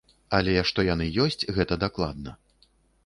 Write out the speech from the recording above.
Але што яны ёсць, гэта дакладна.